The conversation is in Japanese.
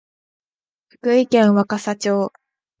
福井県若狭町